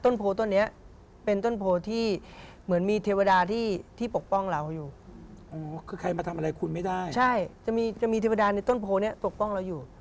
ในต้นโพลนี่ปกป้องเราอยู่